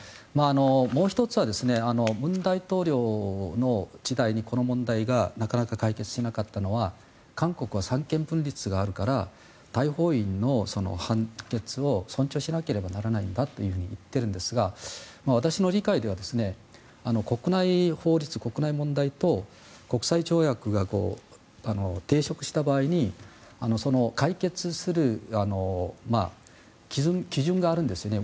もう１つは文大統領の時代にこの問題がなかなか解決しなかったのは韓国は三権分立があるから大法院の判決を尊重しなければならないと言っているんですが私の理解では国内の法律、問題と国際条約が抵触した場合にその解決する基準があるんですよね。